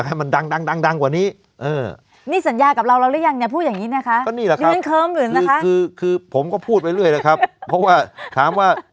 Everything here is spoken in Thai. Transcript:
ก็นี่แหละครับคือผมก็พูดไปเรื่อยแหละครับเพราะว่าถามว่า